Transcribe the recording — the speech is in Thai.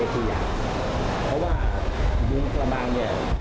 เพราะว่ายุงกระมังเนี่ย